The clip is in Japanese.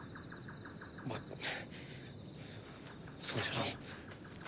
まあそうじゃのう。